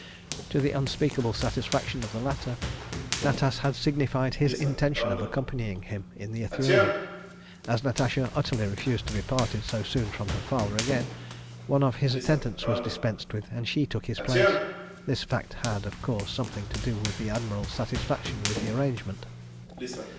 To the unspeakable satisfaction of the latter, Natas had signified his intention of accompanying him in the Ithuriel. As Natasha utterly refused to be parted so soon from her father again, one of his attendants was dispensed with and she took his place. This fact had, of course, something to do with the Admiral's satisfaction with the arrangement.